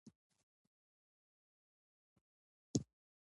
ازادي راډیو د اقلیم پر اړه مستند خپرونه چمتو کړې.